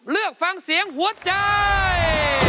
เลือกฟังเสียงหัวใจ